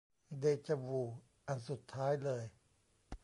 เดจาวู อันสุดท้ายเลย